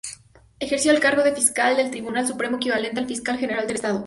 Ejerció el cargo de fiscal del Tribunal Supremo, equivalente al fiscal General del Estado.